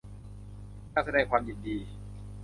การแสดงความยินดี